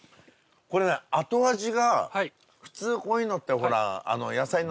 これね後味が普通こういうのってほら野菜の生臭い